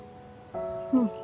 うん